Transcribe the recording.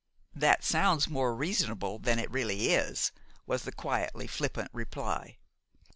"That sounds more reasonable than it really is," was the quietly flippant reply.